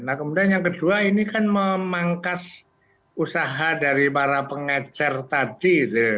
nah kemudian yang kedua ini kan memangkas usaha dari para pengecer tadi